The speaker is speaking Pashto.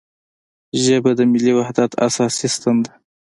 ژبه د ملي وحدت اساسي ستن ده